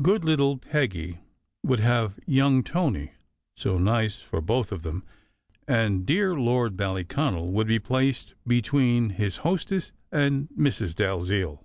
"Good little Peggy" would have young Tony, so nice for both of them! and dear Lord Ballyconal would be placed between his hostess and Mrs. Dalziel.